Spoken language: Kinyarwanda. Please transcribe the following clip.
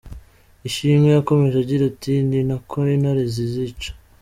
Ishimwe yakomeje agira ati “Ni nako Intare zizica.